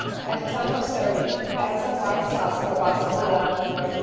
At the time of serving add some white sauce or =balsamella= (No 54).